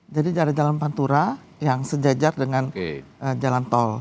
jadi ada jalan pantura yang sejajar dengan jalan tol